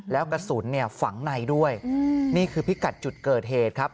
แล้วกระสุนเนี่ยฝังในด้วยนี่คือพิกัดจุดเกิดเหตุครับ